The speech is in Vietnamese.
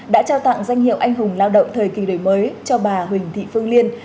đã trao tặng danh hiệu anh hùng lao động thời kỳ đổi mới cho bà huỳnh thị phương liên